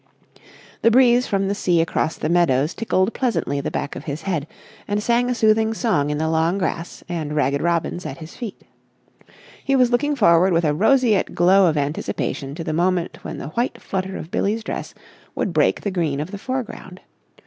The breeze from the sea across the meadows tickled pleasantly the back of his head, and sang a soothing song in the long grass and ragged robins at his feet. He was looking forward with a roseate glow of anticipation to the moment when the white flutter of Billie's dress would break the green of the foreground.